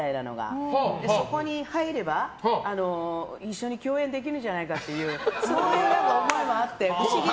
そこに入れば一緒に共演できるんじゃないかっていうそういう思いもあって。